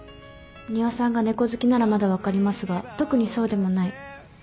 仁和さんが猫好きならまだ分かりますが特にそうでもない。